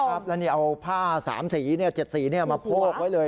ครับแล้วนี่เอาผ้าสามสีเนี้ยเจ็ดสีเนี้ยมาโพกไว้เลย